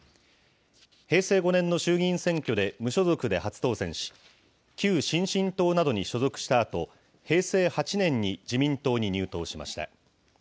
平成５年の衆議院選挙で無所属で初当選し、旧新進党などに所属したあと、平成８年に自民党に入党しました。